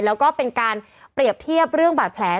แล้วก็เป็นการเปรียบเทียบเรื่องบาดแผล